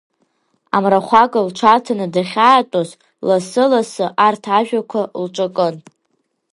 Амрахәага лҽаҭаны дахьаатәоз лассы-лассы арҭ ажәақәа лҿакын…